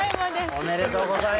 おめでとうございます。